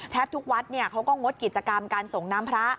ทุกวัดเขาก็งดกิจกรรมการส่งน้ำพระ